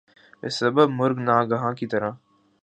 بے سبب مرگ ناگہاں کی طرح